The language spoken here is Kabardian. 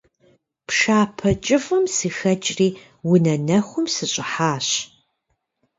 Пшапэ кӀыфӀым сыхэкӀри унэ нэхум сыщӀыхьащ.